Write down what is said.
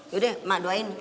yaudah mak doain